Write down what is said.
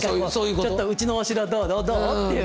「ちょっとうちのお城どう？」っていう。